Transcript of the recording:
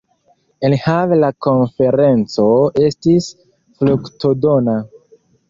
Enhave la konferenco estis fruktodona.